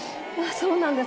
そうなんです。